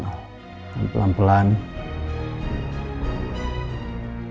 lo akan merasakan apa yang gue rasain selama ini